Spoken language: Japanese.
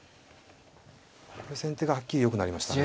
これで先手がはっきりよくなりましたね。